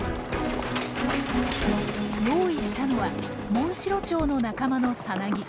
用意したのはモンシロチョウの仲間の蛹。